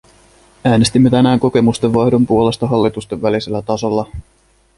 Äänestimme tänään kokemusten vaihdon puolesta hallitusten välisellä tasolla.